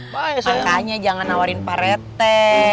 makanya jangan nawarin pak rete